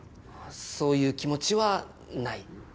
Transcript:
そういう気持ちはない？